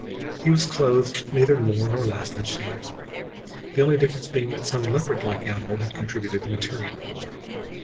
He was clothed neither more nor less than she, the only difference being that some leopardlike animal had contributed the material.